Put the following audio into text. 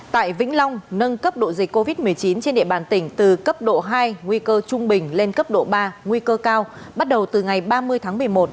tại vĩnh long nâng cấp độ dịch covid một mươi chín trên địa bàn tỉnh từ cấp độ hai nguy cơ trung bình lên cấp độ ba nguy cơ cao bắt đầu từ ngày ba mươi tháng một mươi một